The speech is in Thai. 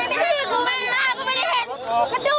ขอบคุณครับขอบคุณครับ